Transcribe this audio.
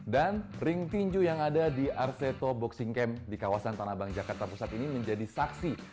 dan ring tinju yang ada di arseto boxing camp di kawasan tanah bang jakarta pusat ini menjadi saksi